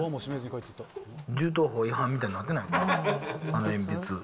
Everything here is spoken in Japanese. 銃刀法違反みたいになってないかな、あの鉛筆。